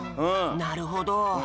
なるほど。